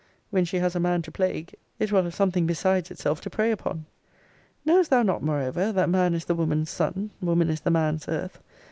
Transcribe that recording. When she has a man to plague, it will have something besides itself to prey upon. Knowest thou not moreover, that man is the woman's sun; woman is the man's earth?